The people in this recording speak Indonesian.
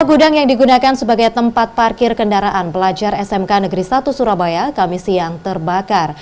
lima gudang yang digunakan sebagai tempat parkir kendaraan pelajar smk negeri satu surabaya kamisian terbakar